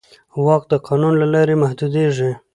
واک د قانون له لارې محدودېږي.